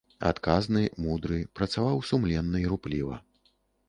Адказны, мудры, працаваў сумленна і рупліва.